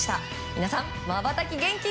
皆さん、まばたき厳禁。